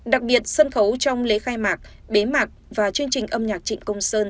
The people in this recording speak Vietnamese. đặc biệt sân khấu trong lễ khai mạc bế mạc và chương trình âm nhạc trịnh công sơn